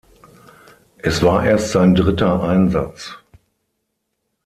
Es war erst sein dritter Einsatz.